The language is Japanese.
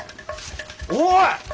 おい！